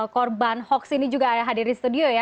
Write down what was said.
korban hoax ini juga ada hadir di studio ya